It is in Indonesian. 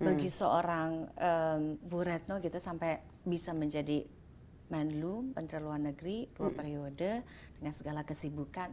bagi seorang bu retno gitu sampai bisa menjadi manlum penerluan negeri berperiode dengan segala kesibukan